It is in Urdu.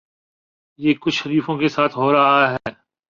یہی کچھ شریفوں کے ساتھ ہو رہا ہے۔